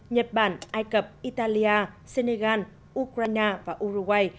nhật bản ai cập italy senegal ukraine và uruguay